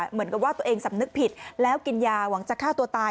เหมือนกับว่าตัวเองสำนึกผิดแล้วกินยาหวังจะฆ่าตัวตาย